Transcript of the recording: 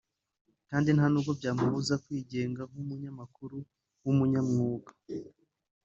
kandi nta nubwo byamubuza kwigenga nk’umunyamakuru w’umunyamwuga